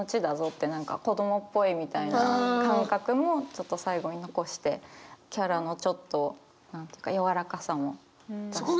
って何か子供っぽいみたいな感覚もちょっと最後に残してキャラのちょっと柔らかさも出し。